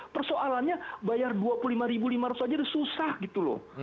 persoalannya bayar rp dua puluh lima lima ratus saja sudah susah gitu lho